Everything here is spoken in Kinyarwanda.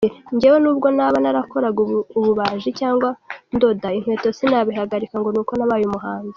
Njyewe nubwo naba narakoraga ububaji cyangwa ndoda inkweto sinabihagarika ngo ni uko nabaye umuhanzi .